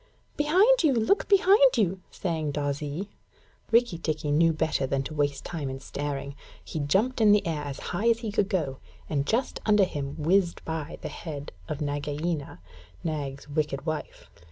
'Behind you! Look behind you!' sang Darzee. Rikki tikki knew better than to waste time in staring. He jumped up in the air as high as he could go, and just under him whizzed by the head of Nagaina, Nag's wicked wife.